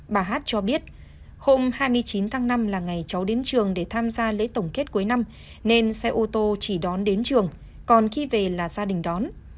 bà hát cho biết hôm hai mươi chín tháng năm là ngày cháu đến trường để tham gia lễ tổng kết cuối năm nên xe ô tô chỉ đón đến trường còn khi về là gia đình đón